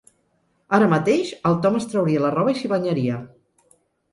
Ara mateix el Tom es trauria la roba i s'hi banyaria.